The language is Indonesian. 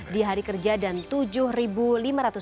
di hari kerja dan lima rupiah